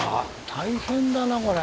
大変だなこりゃ。